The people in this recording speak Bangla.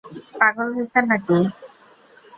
পাগল হইসেন নাকি?